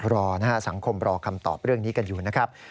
รอนะฮะสังคมรอคำตอบเรื่องนี้กันอยู่นะครับ